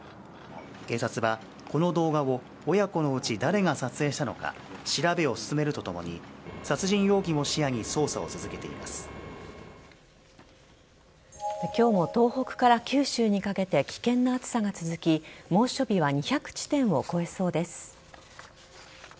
警察はこの動画を親子のうち、誰が撮影したのか調べを進めるとともに殺人容疑も視野に今日も東北から九州にかけて危険な暑さが続き猛暑日は２００地点を超えそうです。